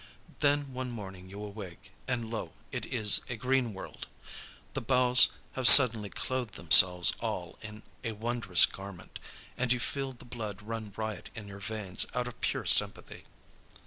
Then one morning you awake, and lo, it is a green world! The boughs have suddenly clothed themselves all in a wondrous garment, and you feel the blood run riot in your veins out of pure sympathy.